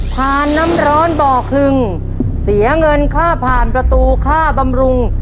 น้ำร้อนบ่อคลึงเสียเงินค่าผ่านประตูค่าบำรุง